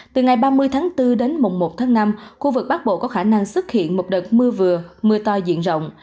từ ngày ba mươi tháng bốn đến mùng một tháng năm khu vực bắc bộ có khả năng xuất hiện một đợt mưa vừa mưa to diện rộng